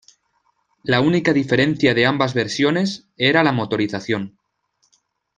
La única diferencia de ambas versiones era la motorización.